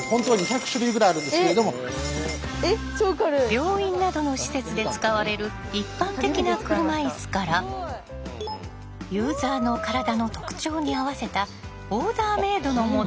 病院などの施設で使われる一般的な車いすからユーザーの体の特徴に合わせたオーダーメードのものまで。